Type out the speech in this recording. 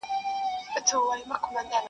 په تلاښ د وظیفې سوه د خپل ځانه,